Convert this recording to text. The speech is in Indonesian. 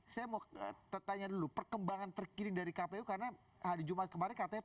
saya mau tanya dulu perkembangan terkini dari kpu karena hari jumat kemarin katanya